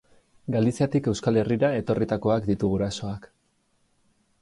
Galiziatik Euskal Herrira etorritakoak ditu gurasoak.